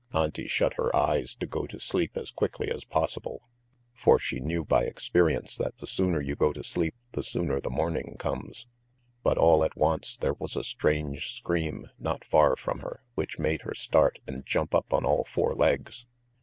Auntie shut her eyes to go to sleep as quickly as possible, for she knew by experience that the sooner you go to sleep the sooner the morning comes. But all at once there was a strange scream not far from her which made her start and jump up on all four legs.